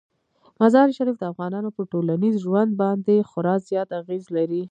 مزارشریف د افغانانو په ټولنیز ژوند باندې خورا زیات اغېز لري.